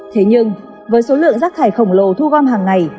thế nhưng với số lượng rác thải khổng lồ thu gom hàng ngày